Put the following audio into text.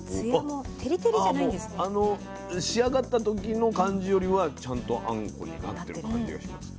ああもうあの仕上がった時の感じよりはちゃんとあんこになってる感じがします。